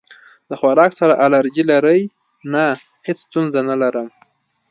د خوراک سره الرجی لرئ؟ نه، هیڅ ستونزه نه لرم